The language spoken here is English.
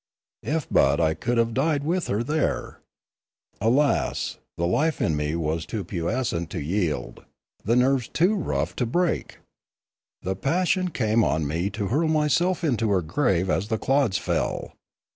If but I could have died with her there! Alas, the life in me was too puissant to yield, the nerves too tough to 366 Limanora break ! The passion came on me to hurl myself into her grave as the clods fell.